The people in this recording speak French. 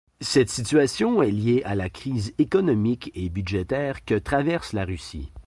Cette situation est liée à la crise économique et budgétaire que traverse la Russie.